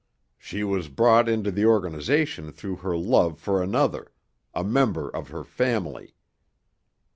She was brought into the organization through her love for another, a member of her family.